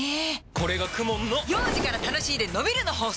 これがＫＵＭＯＮの幼児から楽しいでのびるの法則！